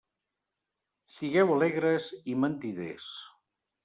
Sigueu alegres i mentiders!